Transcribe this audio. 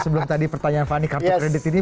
sebelum tadi pertanyaan fani kartu kredit ini